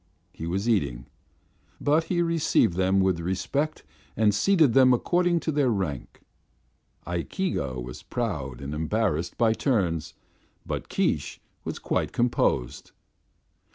He was eating, but he received them with respect and seated them according to their rank. Ikeega was proud and embarrassed by turns, but Keesh was quite composed.